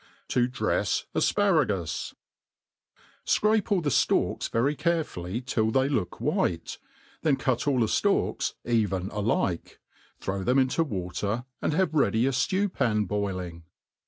/ To drefs Afparagus* SCRAPE all the ftalks very carefully till they look white, then cut all the ftalks even alike, throw them into water, and bave ready a ftew pan boiling.